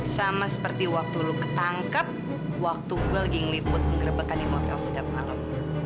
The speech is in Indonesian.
sama seperti waktu lo ketangkep waktu gue lagi ngeliput penggerebekan di motel sedang malam